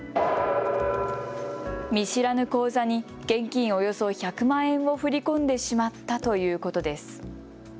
見知らぬ口座に現金およそ１００万円を振り込んでしまったということです。